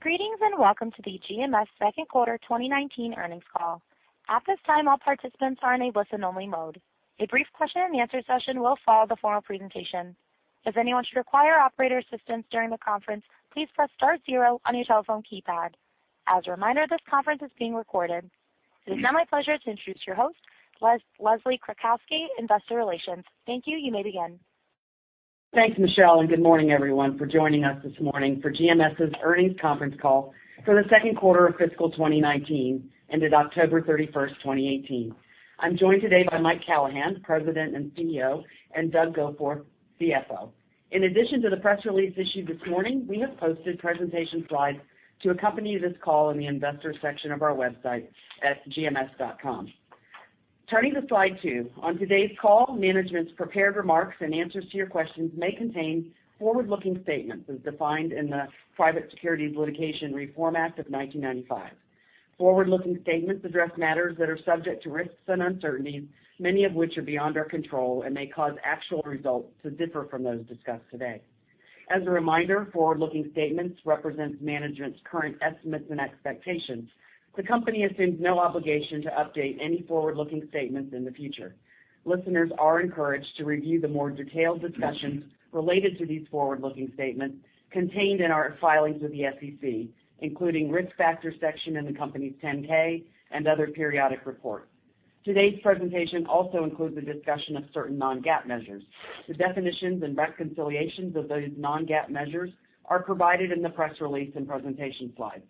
Greetings and welcome to the GMS second quarter 2019 earnings call. At this time, all participants are in a listen-only mode. A brief question and answer session will follow the formal presentation. If anyone should require operator assistance during the conference, please press star zero on your telephone keypad. As a reminder, this conference is being recorded. It is now my pleasure to introduce your host, Leslie Kratcoski, investor relations. Thank you. You may begin. Thanks, Michelle. Good morning, everyone, for joining us this morning for GMS's earnings conference call for the second quarter of fiscal 2019, ended October 31st, 2018. I'm joined today by Mike Callahan, President and CEO, and Doug Goforth, CFO. In addition to the press release issued this morning, we have posted presentation slides to accompany this call in the Investors section of our website at gms.com. Turning to slide two. On today's call, management's prepared remarks and answers to your questions may contain forward-looking statements as defined in the Private Securities Litigation Reform Act of 1995. Forward-looking statements address matters that are subject to risks and uncertainties, many of which are beyond our control and may cause actual results to differ from those discussed today. As a reminder, forward-looking statements represent management's current estimates and expectations. The company assumes no obligation to update any forward-looking statements in the future. Listeners are encouraged to review the more detailed discussions related to these forward-looking statements contained in our filings with the SEC, including Risk Factors section in the company's 10-K and other periodic reports. Today's presentation also includes a discussion of certain non-GAAP measures. The definitions and reconciliations of those non-GAAP measures are provided in the press release and presentation slides.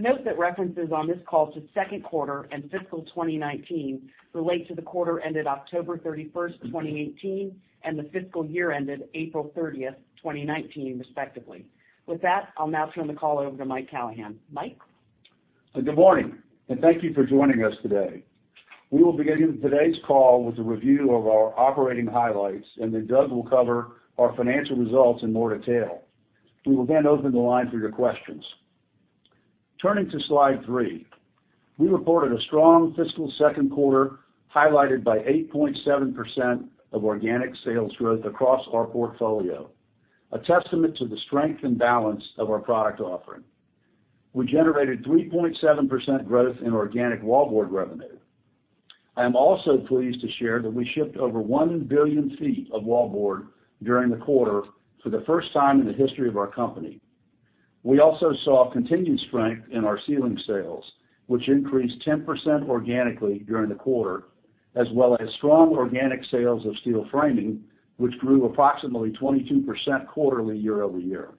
Note that references on this call to second quarter and fiscal 2019 relate to the quarter ended October 31st, 2018, and the fiscal year ended April 30th, 2019, respectively. With that, I'll now turn the call over to Mike Callahan. Mike? Good morning. Thank you for joining us today. We will begin today's call with a review of our operating highlights. Then Doug will cover our financial results in more detail. We will then open the line for your questions. Turning to slide three. We reported a strong fiscal second quarter, highlighted by 8.7% of organic sales growth across our portfolio, a testament to the strength and balance of our product offering. We generated 3.7% growth in organic wallboard revenue. I am also pleased to share that we shipped over 1 billion feet of wallboard during the quarter for the first time in the history of our company. We also saw continued strength in our ceiling sales, which increased 10% organically during the quarter, as well as strong organic sales of steel framing, which grew approximately 22% quarterly year-over-year.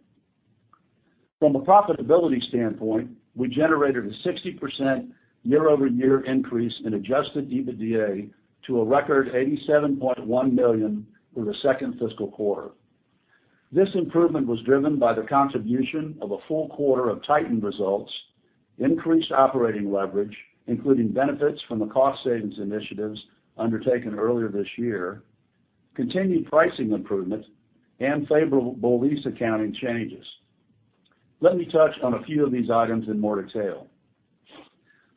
From a profitability standpoint, we generated a 60% year-over-year increase in adjusted EBITDA to a record $87.1 million for the second fiscal quarter. This improvement was driven by the contribution of a full quarter of Titan results, increased operating leverage, including benefits from the cost savings initiatives undertaken earlier this year, continued pricing improvement, and favorable lease accounting changes. Let me touch on a few of these items in more detail.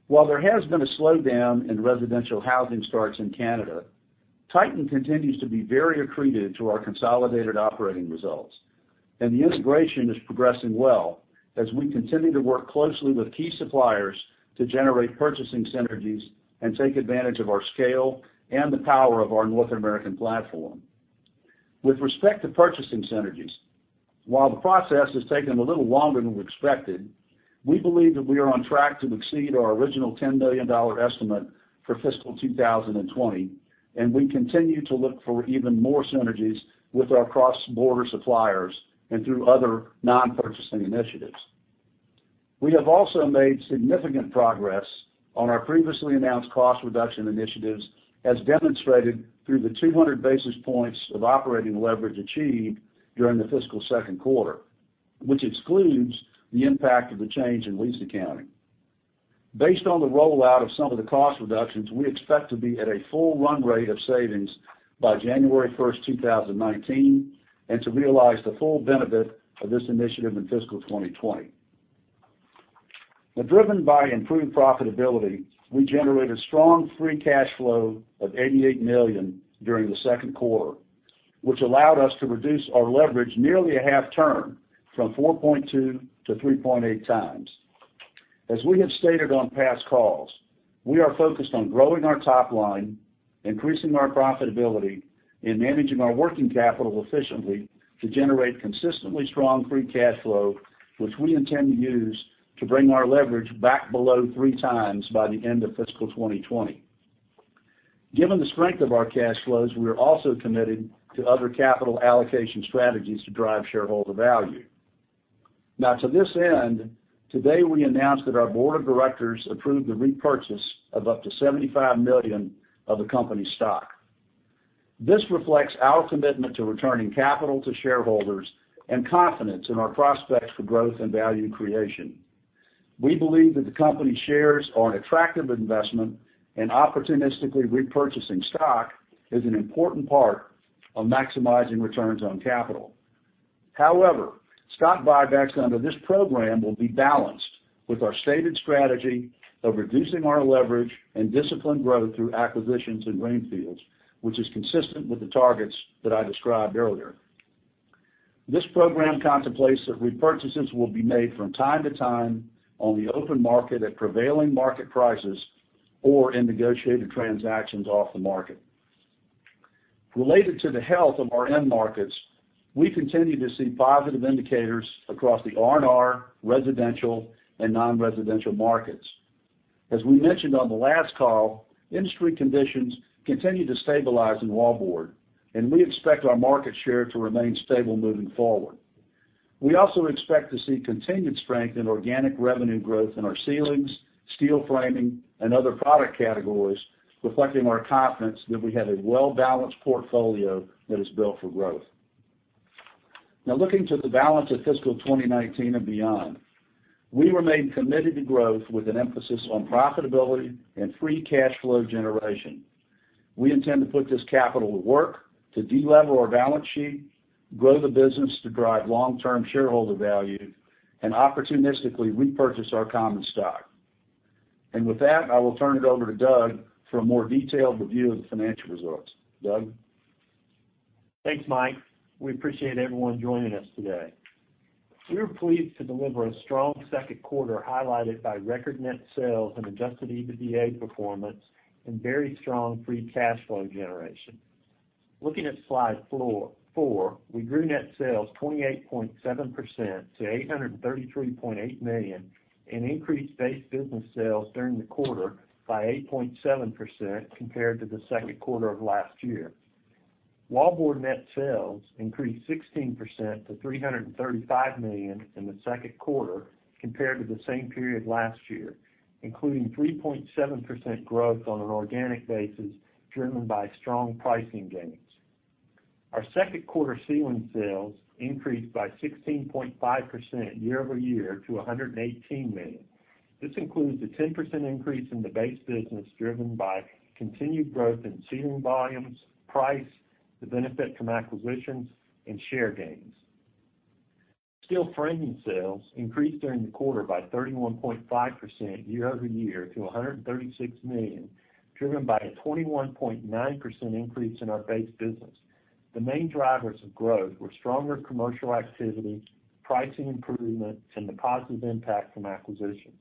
While there has been a slowdown in residential housing starts in Canada, Titan continues to be very accretive to our consolidated operating results, and the integration is progressing well as we continue to work closely with key suppliers to generate purchasing synergies and take advantage of our scale and the power of our North American platform. With respect to purchasing synergies, while the process has taken a little longer than we expected, we believe that we are on track to exceed our original $10 million estimate for fiscal 2020, and we continue to look for even more synergies with our cross-border suppliers and through other non-purchasing initiatives. We have also made significant progress on our previously announced cost reduction initiatives, as demonstrated through the 200 basis points of operating leverage achieved during the fiscal second quarter, which excludes the impact of the change in lease accounting. Based on the rollout of some of the cost reductions, we expect to be at a full run rate of savings by January 1st, 2019, and to realize the full benefit of this initiative in fiscal 2020. Driven by improved profitability, we generated strong free cash flow of $88 million during the second quarter, which allowed us to reduce our leverage nearly a half turn from 4.2x to 3.8x. As we have stated on past calls, we are focused on growing our top line, increasing our profitability, and managing our working capital efficiently to generate consistently strong free cash flow, which we intend to use to bring our leverage back below three times by the end of fiscal 2020. Given the strength of our cash flows, we are also committed to other capital allocation strategies to drive shareholder value. To this end, today, we announced that our board of directors approved the repurchase of up to $75 million of the company stock. This reflects our commitment to returning capital to shareholders and confidence in our prospects for growth and value creation. We believe that the company shares are an attractive investment, and opportunistically repurchasing stock is an important part of maximizing returns on capital. However, stock buybacks under this program will be balanced with our stated strategy of reducing our leverage and disciplined growth through acquisitions in greenfields, which is consistent with the targets that I described earlier. This program contemplates that repurchases will be made from time to time on the open market at prevailing market prices or in negotiated transactions off the market. Related to the health of our end markets, we continue to see positive indicators across the R&R, residential and non-residential markets. As we mentioned on the last call, industry conditions continue to stabilize in wallboard, and we expect our market share to remain stable moving forward. We also expect to see continued strength in organic revenue growth in our ceilings, steel framing and other product categories, reflecting our confidence that we have a well-balanced portfolio that is built for growth. Looking to the balance of fiscal 2019 and beyond, we remain committed to growth with an emphasis on profitability and free cash flow generation. We intend to put this capital to work to de-lever our balance sheet, grow the business to drive long-term shareholder value and opportunistically repurchase our common stock. With that, I will turn it over to Doug for a more detailed review of the financial results. Doug? Thanks, Mike. We appreciate everyone joining us today. We were pleased to deliver a strong second quarter highlighted by record net sales and adjusted EBITDA performance and very strong free cash flow generation. Looking at slide four, we grew net sales 28.7% to $833.8 million and increased base business sales during the quarter by 8.7% compared to the second quarter of last year. Wallboard net sales increased 16% to $335 million in the second quarter compared to the same period last year, including 3.7% growth on an organic basis, driven by strong pricing gains. Our second quarter ceiling sales increased by 16.5% year-over-year to $118 million. This includes a 10% increase in the base business, driven by continued growth in ceiling volumes, price to benefit from acquisitions and share gains. Steel framing sales increased during the quarter by 31.5% year-over-year to $136 million, driven by a 21.9% increase in our base business. The main drivers of growth were stronger commercial activity, pricing improvements and the positive impact from acquisitions.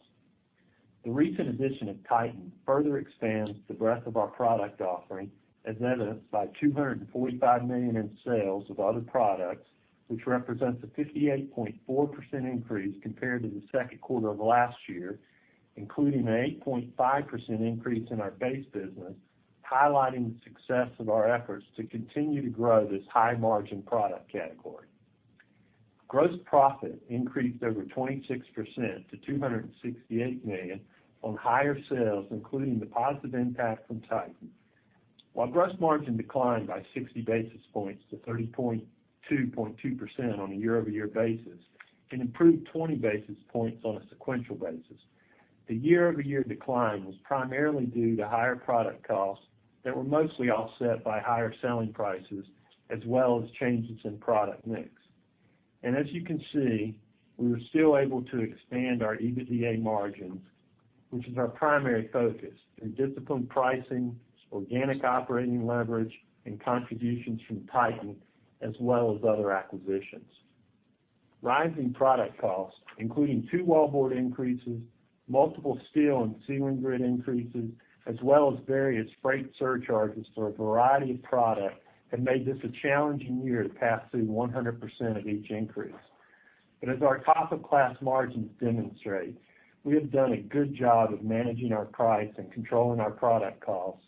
The recent addition of Titan further expands the breadth of our product offering, as evidenced by $245 million in sales of other products, which represents a 58.4% increase compared to the second quarter of last year, including an 8.5% increase in our base business, highlighting the success of our efforts to continue to grow this high margin product category. Gross profit increased over 26% to $268 million on higher sales, including the positive impact from Titan. While gross margin declined by 60 basis points to 32.2% on a year-over-year basis and improved 20 basis points on a sequential basis. The year-over-year decline was primarily due to higher product costs that were mostly offset by higher selling prices as well as changes in product mix. As you can see, we were still able to expand our EBITDA margins, which is our primary focus in disciplined pricing, organic operating leverage and contributions from Titan as well as other acquisitions. Rising product costs, including two wallboard increases, multiple steel and ceiling grid increases, as well as various freight surcharges for a variety of product have made this a challenging year to pass through 100% of each increase. As our top of class margins demonstrate, we have done a good job of managing our price and controlling our product costs,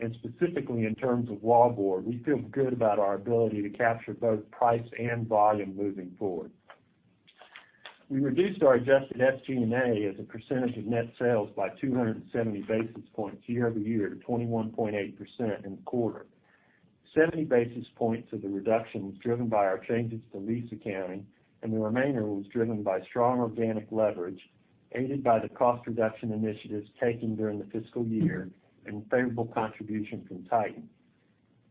and specifically in terms of wallboard, we feel good about our ability to capture both price and volume moving forward. We reduced our adjusted SG&A as a percentage of net sales by 270 basis points year-over-year to 21.8% in the quarter. 70 basis points of the reduction was driven by our changes to lease accounting, and the remainder was driven by strong organic leverage, aided by the cost reduction initiatives taken during the fiscal year and favorable contribution from Titan.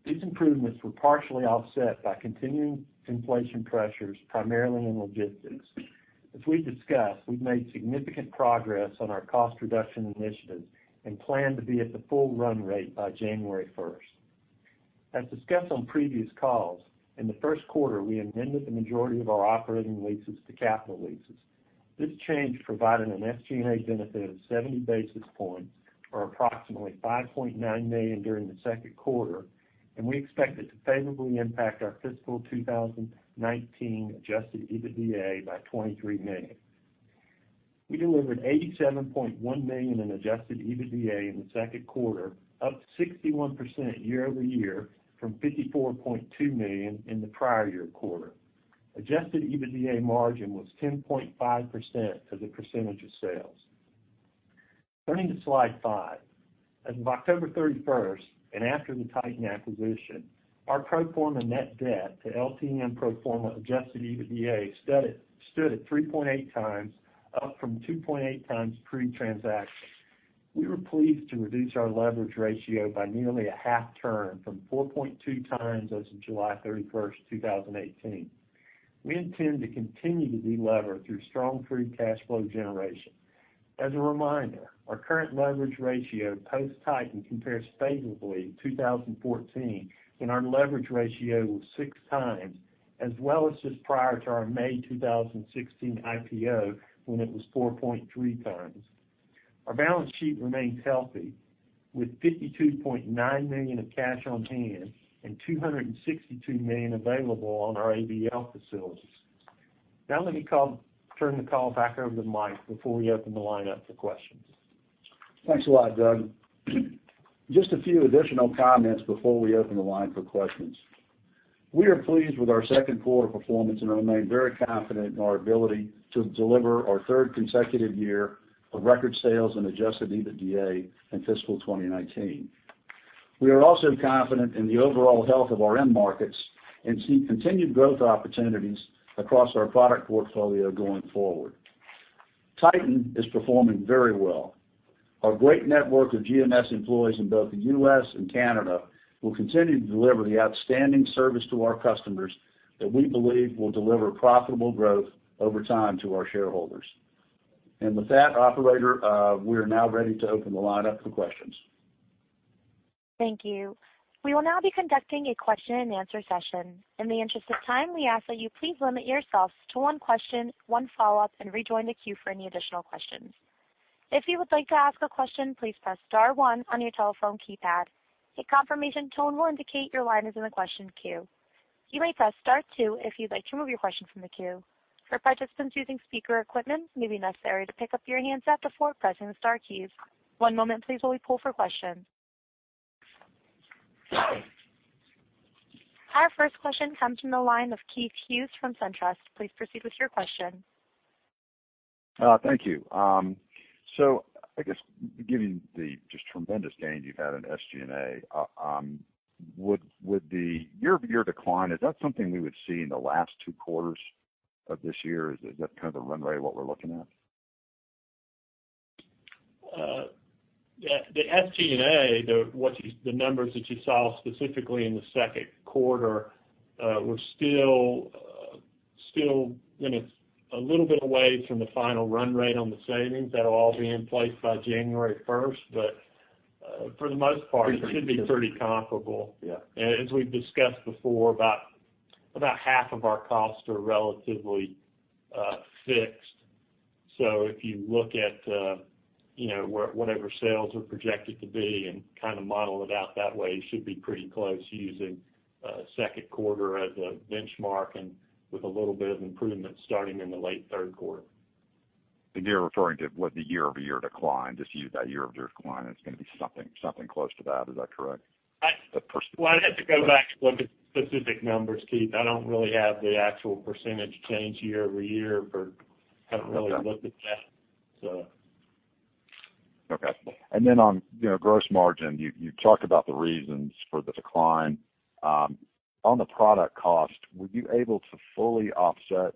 These improvements were partially offset by continuing inflation pressures, primarily in logistics. As we discussed, we've made significant progress on our cost reduction initiatives and plan to be at the full run rate by January 1st. As discussed on previous calls, in the first quarter, we amended the majority of our operating leases to capital leases. This change provided an SG&A benefit of 70 basis points or approximately $5.9 million during the second quarter. We expect it to favorably impact our fiscal 2019 adjusted EBITDA by $23 million. We delivered $87.1 million in adjusted EBITDA in the second quarter, up 61% year-over-year from $54.2 million in the prior year quarter. Adjusted EBITDA margin was 10.5% as a percentage of sales. Turning to slide five. As of October 31st, after the Titan acquisition, our pro forma net debt to LTM pro forma adjusted EBITDA stood at 3.8x, up from 2.8x pre-transaction. We were pleased to reduce our leverage ratio by nearly a half turn from 4.2x as of July 31st, 2018. We intend to continue to de-lever through strong free cash flow generation. As a reminder, our current leverage ratio post Titan compares favorably 2014 when our leverage ratio was 6x, as well as just prior to our May 2016 IPO when it was 4.3x. Our balance sheet remains healthy with $52.9 million of cash on hand and $262 million available on our ABL facilities. Let me turn the call back over to Mike before we open the line up for questions. Thanks a lot, Doug. A few additional comments before we open the line for questions. We are pleased with our second quarter performance and remain very confident in our ability to deliver our third consecutive year of record sales and adjusted EBITDA in fiscal 2019. We are also confident in the overall health of our end markets and see continued growth opportunities across our product portfolio going forward. Titan is performing very well. Our great network of GMS employees in both the U.S. and Canada will continue to deliver the outstanding service to our customers that we believe will deliver profitable growth over time to our shareholders. With that, operator, we are now ready to open the line up for questions. Thank you. We will now be conducting a question-and-answer session. In the interest of time, we ask that you please limit yourselves to one question, one follow-up, and rejoin the queue for any additional questions. If you would like to ask a question, please press star one on your telephone keypad. A confirmation tone will indicate your line is in the question queue. You may press star two if you'd like to remove your question from the queue. For participants using speaker equipment, it may be necessary to pick up your handset before pressing the star keys. One moment, please, while we poll for questions. Our first question comes from the line of Keith Hughes from SunTrust. Please proceed with your question. Thank you. I guess given the just tremendous gains you've had in SG&A, year-over-year decline, is that something we would see in the last two quarters of this year? Is that kind of the run rate of what we're looking at? Yeah. The SG&A, the numbers that you saw specifically in the second quarter, we're still a little bit away from the final run rate on the savings. That'll all be in place by January 1st. For the most part, it should be pretty comparable. Yeah. As we've discussed before, about half of our costs are relatively fixed. If you look at whatever sales are projected to be and kind of model it out that way, you should be pretty close using second quarter as a benchmark and with a little bit of improvement starting in the late third quarter. You're referring to what the year-over-year decline, just to use that year-over-year decline, it's going to be something close to that. Is that correct? Well, I'd have to go back to look at specific numbers, Keith. I don't really have the actual percentage change year-over-year, but haven't really looked at that. Okay. On gross margin, you talked about the reasons for the decline. On the product cost, were you able to fully offset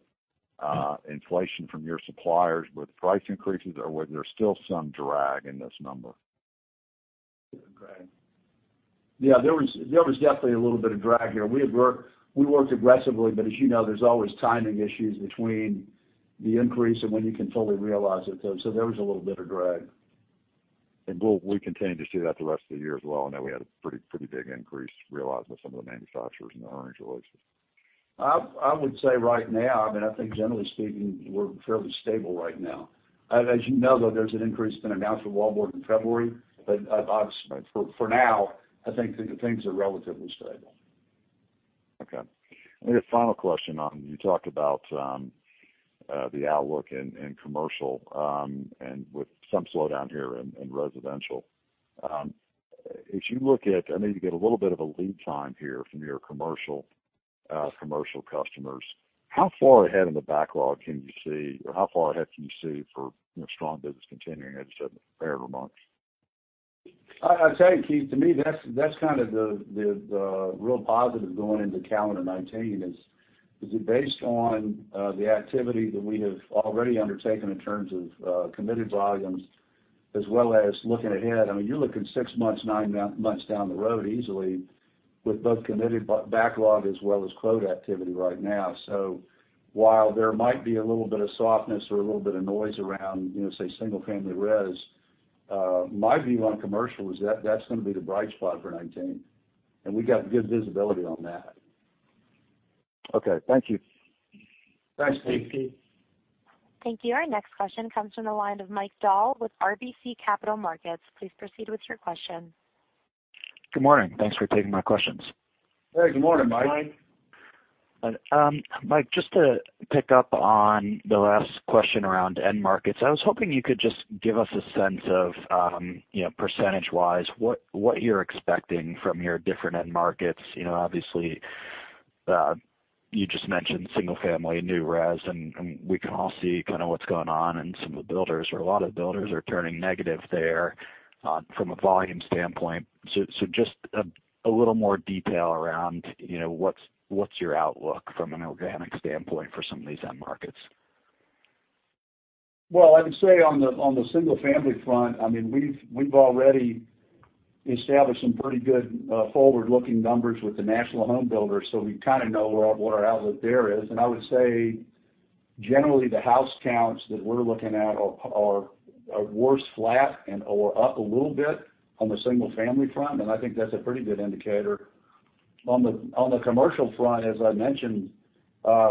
inflation from your suppliers with price increases, or was there still some drag in this number? Yeah, there was definitely a little bit of drag here. We worked aggressively, but as you know, there's always timing issues between the increase and when you can fully realize it. There was a little bit of drag. Will we continue to see that the rest of the year as well? I know we had a pretty big increase realized with some of the manufacturers in the earnings releases. I would say right now, I think generally speaking, we're fairly stable right now. As you know, though, there's an increase that's been announced with Wallboard in February. For now, I think things are relatively stable. Okay. A final question. You talked about the outlook in commercial, and with some slowdown here in residential. As you look at, I mean, you get a little bit of a lead time here from your commercial customers. How far ahead in the backlog can you see, or how far ahead can you see for strong business continuing as you said for months? I'll tell you, Keith, to me, that's kind of the real positive going into calendar 2019 is based on the activity that we have already undertaken in terms of committed volumes as well as looking ahead. You're looking six months, nine months down the road easily with both committed backlog as well as quote activity right now. While there might be a little bit of softness or a little bit of noise around, say, single family res, my view on commercial is that's going to be the bright spot for 2019, and we got good visibility on that. Okay. Thank you. Thanks, Keith. Thank you. Our next question comes from the line of Mike Dahl with RBC Capital Markets. Please proceed with your question. Good morning. Thanks for taking my questions. Hey, good morning, Mike. Mike. Mike, just to pick up on the last question around end markets, I was hoping you could just give us a sense of, percentage-wise, what you're expecting from your different end markets. Obviously, you just mentioned single family, new res, and we can all see kind of what's going on and some of the builders or a lot of the builders are turning negative there from a volume standpoint. Just a little more detail around what's your outlook from an organic standpoint for some of these end markets? Well, I would say on the single-family front, we've already established some pretty good forward-looking numbers with the national home builders, we kind of know what our outlet there is. I would say, generally the house counts that we're looking at are worse flat, or up a little bit on the single-family front, and I think that's a pretty good indicator. On the commercial front, as I mentioned,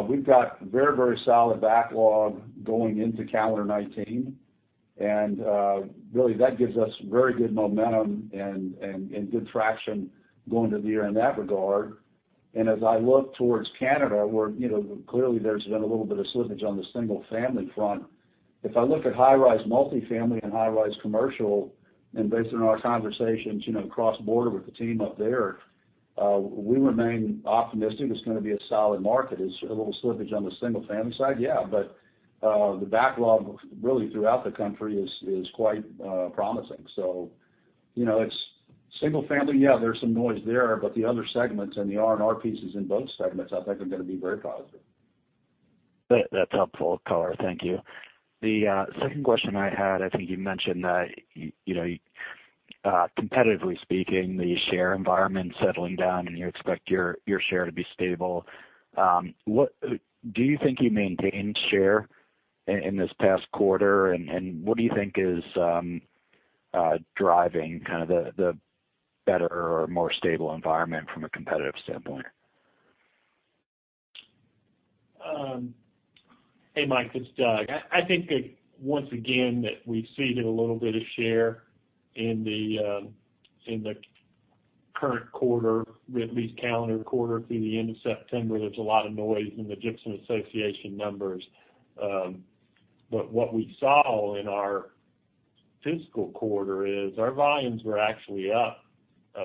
we've got very solid backlog going into calendar 2019, really that gives us very good momentum and good traction going to the year in that regard. As I look towards Canada, where clearly there's been a little bit of slippage on the single-family front. If I look at high-rise multi-family and high-rise commercial and based on our conversations cross-border with the team up there, we remain optimistic it's going to be a solid market. Is a little slippage on the single-family side? Yeah. The backlog really throughout the country is quite promising. Single family, yeah, there's some noise there, but the other segments and the R&R pieces in both segments, I think, are going to be very positive. That's helpful color. Thank you. The second question I had, I think you mentioned that competitively speaking, the share environment settling down, and you expect your share to be stable. Do you think you maintained share in this past quarter? What do you think is driving kind of the better or more stable environment from a competitive standpoint? Hey, Mike, it's Doug. I think that once again, that we've ceded a little bit of share in the current quarter, at least calendar quarter through the end of September. There's a lot of noise in the Gypsum Association numbers. What we saw in our fiscal quarter is our volumes were actually up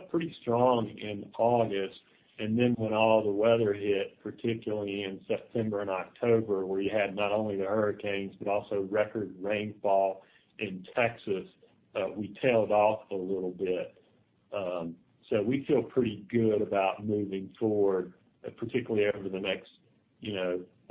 pretty strong in August. When all the weather hit, particularly in September and October, where you had not only the hurricanes, but also record rainfall in Texas, we tailed off a little bit. We feel pretty good about moving forward, particularly over the next,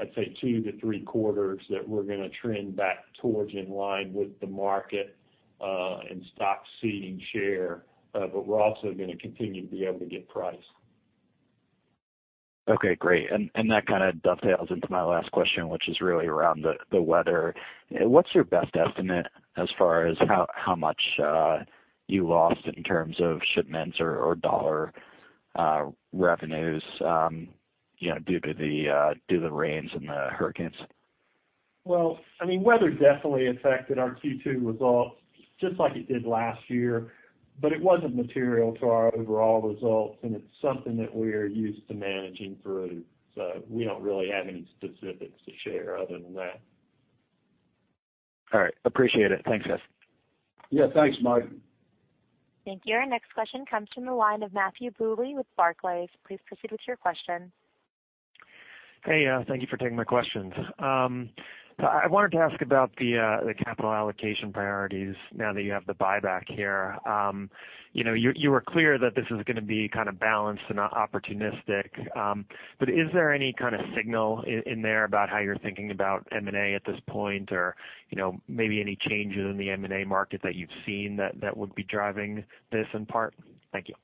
I'd say two to three quarters, that we're going to trend back towards in line with the market, and stop ceding share. We're also going to continue to be able to get price. Okay, great. That kind of dovetails into my last question, which is really around the weather. What's your best estimate as far as how much you lost in terms of shipments or dollar revenues due to the rains and the hurricanes? Weather definitely affected our Q2 results just like it did last year, but it wasn't material to our overall results, and it's something that we are used to managing through. We don't really have any specifics to share other than that. All right. Appreciate it. Thanks, guys. Yeah, thanks, Mike. Thank you. Our next question comes from the line of Matthew Bouley with Barclays. Please proceed with your question. Hey. Thank you for taking my questions. I wanted to ask about the capital allocation priorities now that you have the buyback here. You were clear that this is going to be kind of balanced and opportunistic. Is there any kind of signal in there about how you're thinking about M&A at this point? Maybe any changes in the M&A market that you've seen that would be driving this in part? Thank you.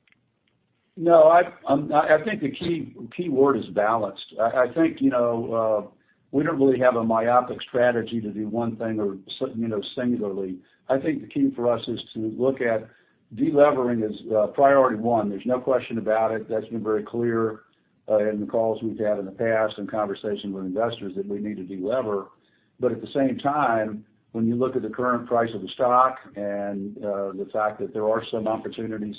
No, I think the key word is balanced. We don't really have a myopic strategy to do one thing or singularly. The key for us is to look at de-levering as priority one. There's no question about it. That's been very clear in the calls we've had in the past and conversations with investors that we need to de-lever. At the same time, when you look at the current price of the stock and the fact that there are some opportunities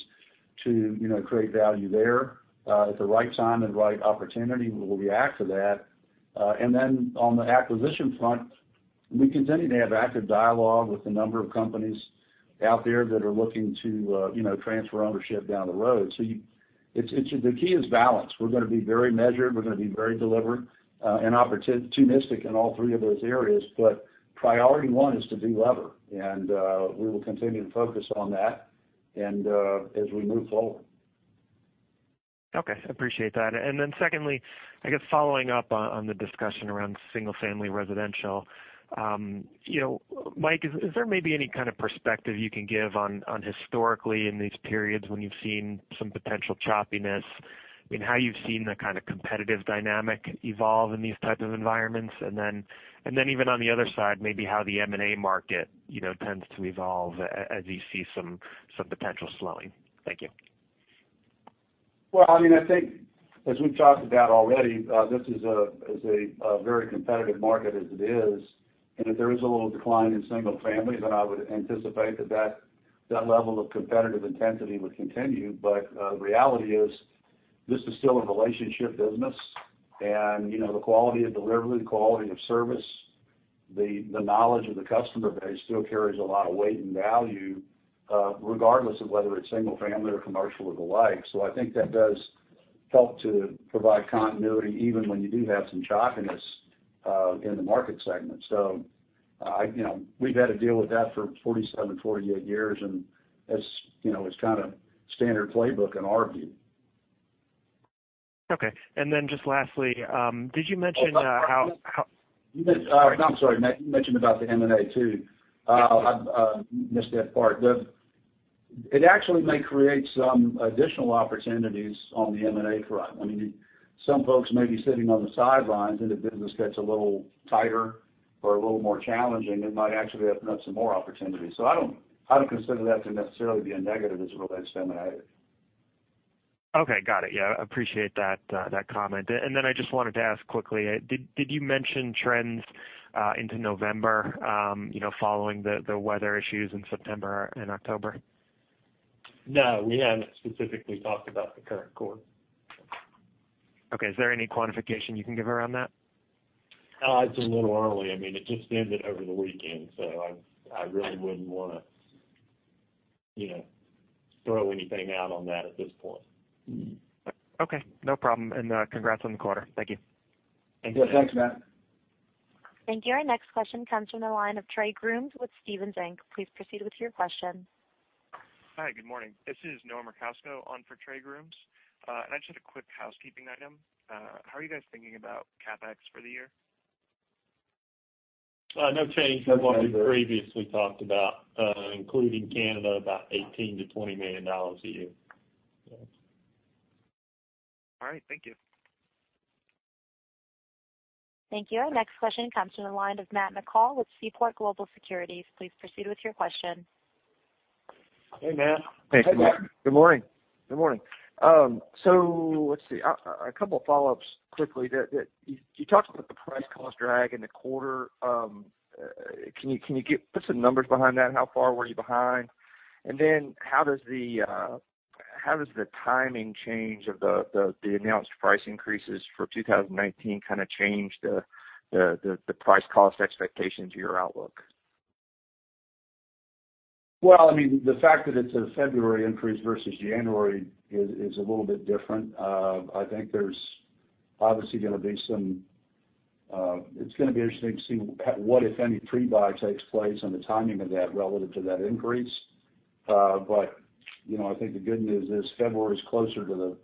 to create value there, at the right time and right opportunity, we will react to that. On the acquisition front, we continue to have active dialogue with a number of companies out there that are looking to transfer ownership down the road. The key is balance. We're going to be very measured, we're going to be very deliberate and opportunistic in all three of those areas. Priority one is to de-lever, and we will continue to focus on that as we move forward. Okay. Appreciate that. Secondly, I guess following up on the discussion around single family residential. Mike, is there maybe any kind of perspective you can give on historically in these periods when you've seen some potential choppiness, and how you've seen the kind of competitive dynamic evolve in these types of environments? Even on the other side, maybe how the M&A market tends to evolve as you see some potential slowing. Thank you. As we've talked about already, this is a very competitive market as it is, and if there is a little decline in single family, I would anticipate that level of competitive intensity would continue. The reality is this is still a relationship business and the quality of delivery, the quality of service, the knowledge of the customer base still carries a lot of weight and value, regardless of whether it's single family or commercial or the like. That does help to provide continuity even when you do have some choppiness in the market segment. We've had to deal with that for 47, 48 years, and it's kind of standard playbook in our view. Okay. Just lastly, did you mention how– Oh, I'm sorry, Matt, you mentioned about the M&A too. I missed that part. It actually may create some additional opportunities on the M&A front. Some folks may be sitting on the sidelines, and if business gets a little tighter or a little more challenging, it might actually open up some more opportunities. I don't consider that to necessarily be a negative as it relates to M&A. Okay, got it. Yeah, appreciate that comment. I just wanted to ask quickly, did you mention trends into November following the weather issues in September and October? No, we haven't specifically talked about the current quarter. Okay. Is there any quantification you can give around that? It's a little early. It just ended over the weekend, so I really wouldn't want to throw anything out on that at this point. Okay, no problem. Congrats on the quarter. Thank you. Thanks Matt. Thank you. Our next question comes from the line of Trey Grooms with Stephens Inc. Please proceed with your question. Hi, good morning. This is Noah Merkousko on for Trey Grooms. I just had a quick housekeeping item. How are you guys thinking about CapEx for the year? No change from what we previously talked about including Canada, about $18 million-$20 million a year. All right, thank you. Thank you. Our next question comes from the line of Matt McCall with Seaport Global Securities. Please proceed with your question. Hey, Matt. Hey, good morning. Good morning. Good morning. Let's see, a couple of follow-ups quickly. You talked about the price cost drag in the quarter. Can you put some numbers behind that? How far were you behind? How does the timing change of the announced price increases for 2019 kind of change the price cost expectation to your outlook? Well, the fact that it's a February increase versus January is a little bit different. I think there's obviously, it's going to be interesting to see what, if any, pre-buy takes place and the timing of that relative to that increase. I think the good news is February is closer to the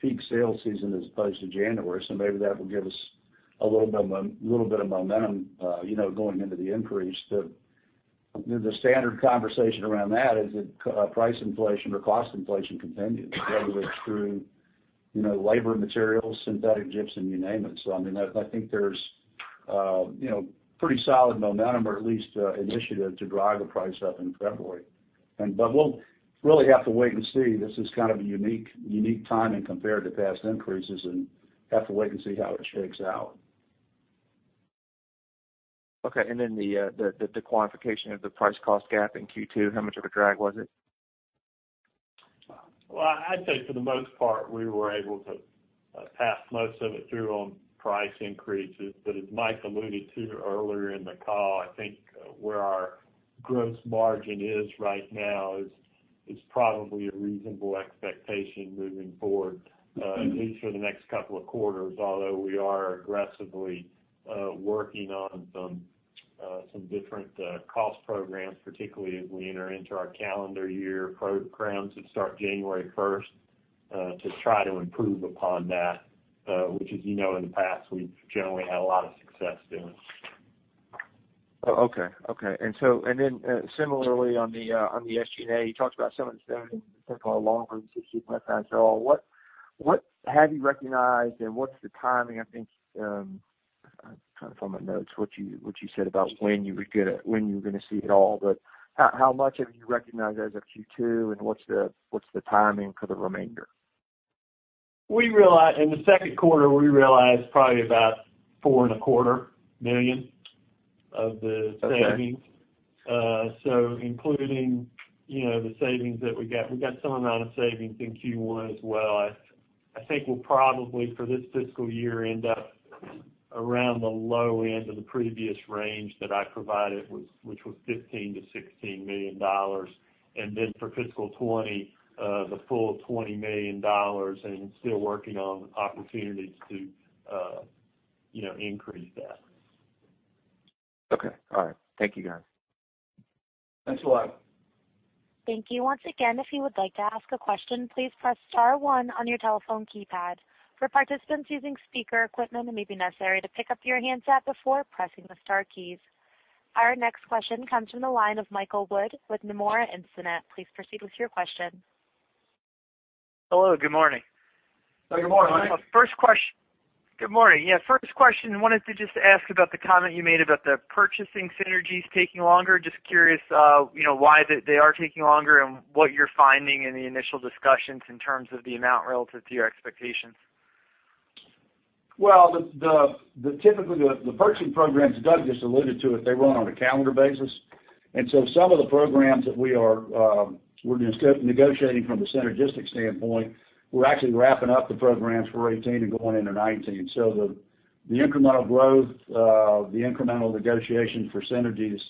peak sales season as opposed to January. Maybe that will give us a little bit of momentum going into the increase. The standard conversation around that is that price inflation or cost inflation continues, whether it's through labor materials, synthetic gypsum, you name it. I think there's pretty solid momentum or at least initiative to drive the price up in February. We'll really have to wait and see. This is kind of a unique timing compared to past increases, and have to wait and see how it shakes out. Okay. The quantification of the price cost gap in Q2, how much of a drag was it? Well, I'd say for the most part, we were able to pass most of it through on price increases. As Mike alluded to earlier in the call, I think where our gross margin is right now is probably a reasonable expectation moving forward at least for the next couple of quarters. Although we are aggressively working on some different cost programs, particularly as we enter into our calendar year programs that start January 1st, to try to improve upon that which, as you know, in the past, we've generally had a lot of success doing. Okay. Similarly on the SG&A, you talked about some of the savings that fall along with the what have you recognized and what's the timing, I think, trying to find my notes, what you said about when you were going to see it all. How much have you recognized as of Q2, and what's the timing for the remainder? In the second quarter, we realized probably about four and a quarter million of the savings. Okay. Including the savings that we got, we got some amount of savings in Q1 as well. I think we'll probably, for this fiscal year, end up around the low end of the previous range that I provided, which was $15 million-$16 million. For fiscal 2020, the full $20 million, still working on opportunities to increase that. Okay. All right. Thank you, guys. Thanks a lot. Thank you. Once again, if you would like to ask a question, please press star one on your telephone keypad. For participants using speaker equipment, it may be necessary to pick up your handset before pressing the star keys. Our next question comes from the line of Michael Wood with Nomura Instinet. Please proceed with your question. Hello, good morning. Good morning. Good morning. First question, wanted to just ask about the comment you made about the purchasing synergies taking longer. Just curious why they are taking longer and what you're finding in the initial discussions in terms of the amount relative to your expectations. Typically, the purchasing programs Doug just alluded to, they run on a calendar basis. Some of the programs that we're negotiating from the synergistic standpoint, we're actually wrapping up the programs for 2018 and going into 2019. The incremental growth, the incremental negotiations for synergies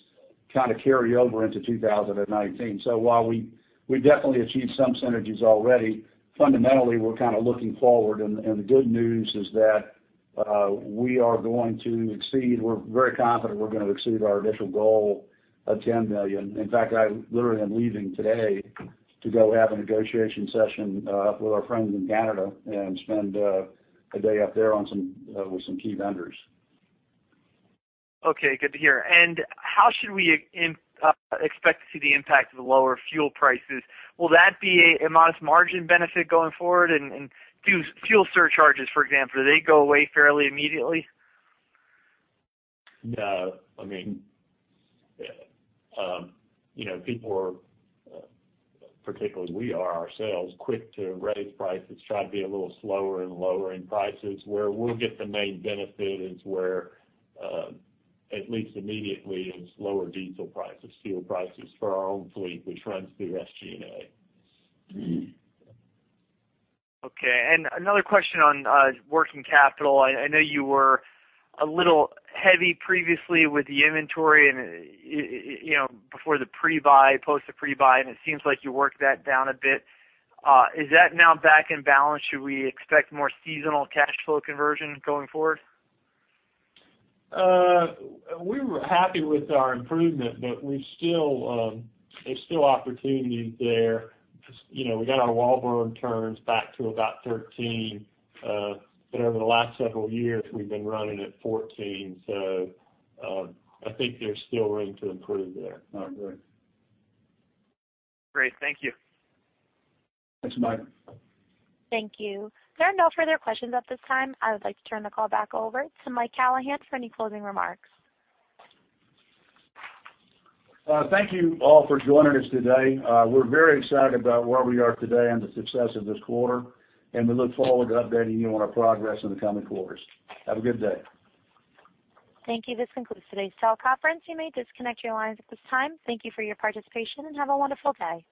kind of carry over into 2019. While we definitely achieved some synergies already, fundamentally, we're kind of looking forward, and the good news is that We are going to exceed. We're very confident we're going to exceed our initial goal of $10 million. In fact, I literally am leaving today to go have a negotiation session with our friends in Canada and spend a day up there with some key vendors. Okay, good to hear. How should we expect to see the impact of the lower fuel prices? Will that be a modest margin benefit going forward? Fuel surcharges, for example, do they go away fairly immediately? No. People are, particularly we are ourselves, quick to raise prices, try to be a little slower in lowering prices. Where we'll get the main benefit is where at least immediately is lower diesel prices, fuel prices for our own fleet, which runs through SG&A. Okay. Another question on working capital. I know you were a little heavy previously with the inventory before the pre-buy, post the pre-buy, and it seems like you worked that down a bit. Is that now back in balance? Should we expect more seasonal cash flow conversion going forward? We were happy with our improvement, there's still opportunities there because we got our wallboard turns back to about 13. Over the last several years, we've been running at 14. I think there's still room to improve there. All right. Great. Thank you. Thanks, Mike. Thank you. There are no further questions at this time. I would like to turn the call back over to Mike Callahan for any closing remarks. Thank you all for joining us today. We're very excited about where we are today and the success of this quarter, and we look forward to updating you on our progress in the coming quarters. Have a good day. Thank you. This concludes today's call conference. You may disconnect your lines at this time. Thank you for your participation and have a wonderful day.